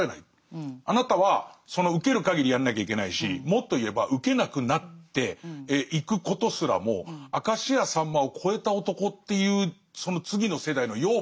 あなたはそのウケるかぎりやんなきゃいけないしもっと言えばウケなくなっていくことすらも明石家さんまを超えた男っていうその次の世代の養分になる仕事があると。